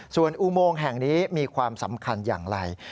ส่วนอุโมงแห่งนี้มีความสำคัญอย่างไร